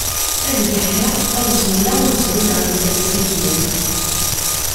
Ad geḥleɣ, ad ẓewleɣ ad zwireɣ sdat Sidi.